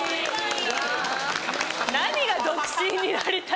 何が「独身になりたい」だよ。